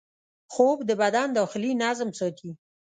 خوب د بدن داخلي نظم ساتي